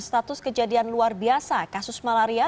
status kejadian luar biasa kasus malaria